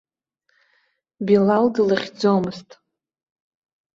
Билал длыхьӡомызт.